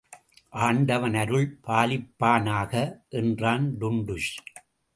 ஆண்டவன் அருள் பாலிப்பானாக! என்றான் டுன்டுஷ்.